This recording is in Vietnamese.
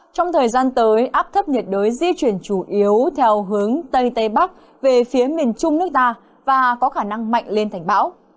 trong thời gian tới áp thấp nhiệt đới di chuyển chủ yếu theo hướng tây tây bắc về phía miền trung nước ta và có khả năng mạnh lên thành bão